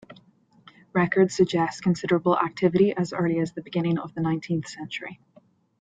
Records suggest considerable activity as early as the beginning of the nineteenth century.